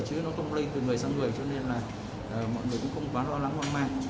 chứ nó tâm linh từ người sang người cho nên là mọi người cũng không quá lo lắng hoang mang